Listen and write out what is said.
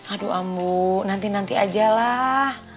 aduh amu nanti nanti aja lah